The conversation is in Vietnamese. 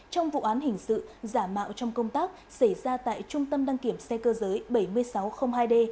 trong vụ án hình sự giả mạo trong công tác xảy ra tại trung tâm đăng kiểm xe cơ giới bảy nghìn sáu trăm linh hai d